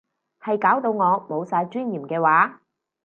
係搞到我冇晒尊嚴嘅話